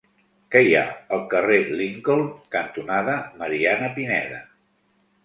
Què hi ha al carrer Lincoln cantonada Mariana Pineda?